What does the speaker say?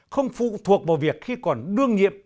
không phụ thuộc vào việc khi còn đương nhiệm